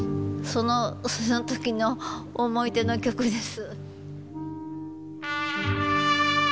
その時の思い出の曲です。